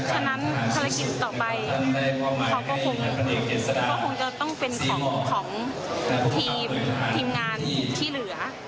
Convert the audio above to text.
ฉะนั้นภารกิจต่อไปเขาก็คงจะต้องเป็นของทีมงานที่เหลือ